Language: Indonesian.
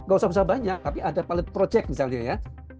tidak usah banyak tapi ada palet projek misalnya ya